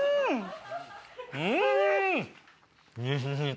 うん！